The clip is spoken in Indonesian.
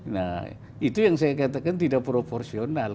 nah itu yang saya katakan tidak proporsional